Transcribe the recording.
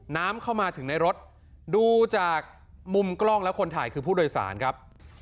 น้ำเข้ามาถึงในรถดูจากมุมกล้องแล้วคนถ่ายคือผู้โดยสารครับ